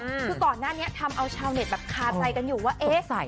คือก่อนหน้านี้ทำเอาชาวเน็ตแบบคาใจกันอยู่ว่าเอ๊ะ